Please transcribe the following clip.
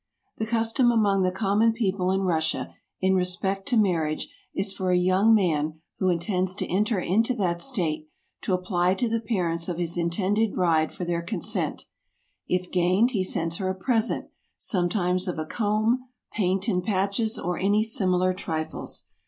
The custom among the common people in Russia, in respect to marriage, is for a young man who intends to enter into that state, to ap¬ ply to the parents of his intended bride for their consent: if gained he sends her a present, some¬ times of a comb, paint and patches, or any simi¬ lar trifles.